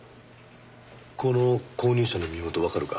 この購入者の身元わかるか？